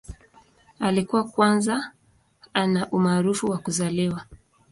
Alikuwa kwanza ana umaarufu wa kuzaliwa.